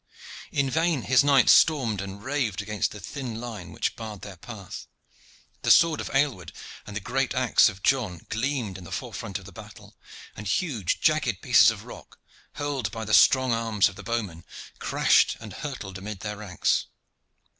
In vain his knights stormed and raved against the thin line which barred their path: the sword of Aylward and the great axe of John gleamed in the forefront of the battle and huge jagged pieces of rock, hurled by the strong arms of the bowmen, crashed and hurtled amid their ranks.